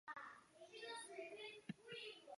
西晋永嘉后废。